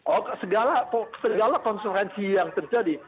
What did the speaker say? oh segala konsekuensi yang terjadi